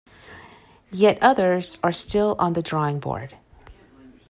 Yet others are still on the drawing board.